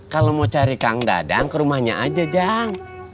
kalau mau cari kang dadang ke rumahnya aja jang